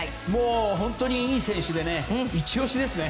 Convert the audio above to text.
本当にいい選手で一押しですね。